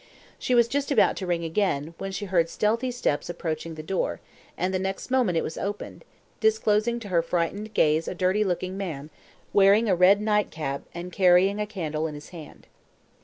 She was just about to ring again, when she heard stealthy steps approaching the door, and the next moment it was opened, disclosing to her frightened gaze a dirty looking man, wearing a red nightcap, and carrying a candle in his hand.